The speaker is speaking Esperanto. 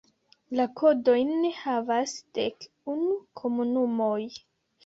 La kodojn havas dek unu komunumoj.